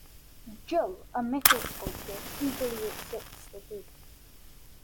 Jill, a metal sculptor, eagerly accepts the head.